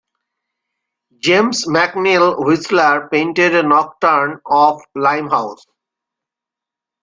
James McNeill Whistler painted a "Nocturne of Limehouse".